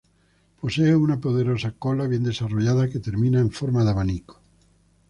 Posee una poderosa cola bien desarrollada que termina en forma de abanico.